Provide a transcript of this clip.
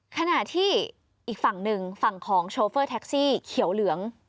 ขณะที่อีกฝั่งหนึ่งฝั่งของโชเฟอร์แท็กซี่เขียวเหลือง